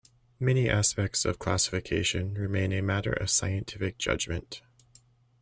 Many aspects of classification remain a matter of scientific judgment.